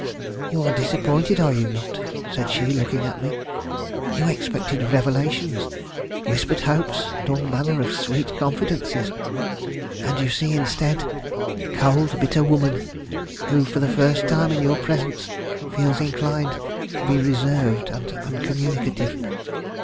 "You are disappointed, are you not?" said she, looking at me. "You expected revelations, whispered hopes, and all manner of sweet confidences; and you see, instead, a cold, bitter woman, who for the first time in your presence feels inclined to be reserved and uncommunicative."